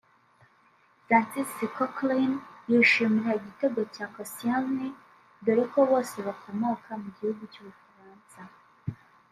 Francis Cocquelin yishimira igitego cya Kosscielny dore ko bose bakomoka mu gihugu cy'u Bufaransa